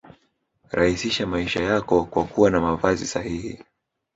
Rahisisha maisha yako kwa kuwa na mavazi sahihi